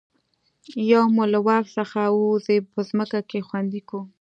یا مو له واک څخه ووځي په ځمکه کې خوندي کوو.